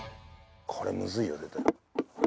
これむずいよ絶対。